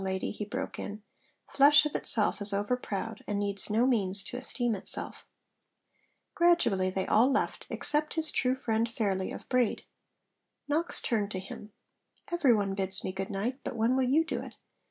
lady,' he broke in; 'flesh of itself is overproud, and needs no means to esteem itself.' Gradually they all left, except his true friend Fairley of Braid. Knox turned to him: 'Every one bids me good night; but when will you do it?